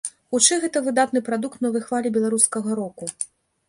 Хутчэй гэта выдатны прадукт новай хвалі беларускага року.